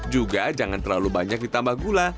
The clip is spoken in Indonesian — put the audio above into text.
juga jangan terlalu banyak ditambah gula